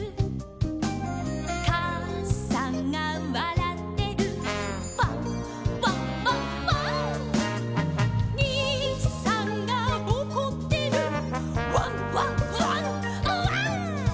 「かあさんがわらってる」「ワンワンワンワン」「にいさんがおこってる」「ワンワンワンワン」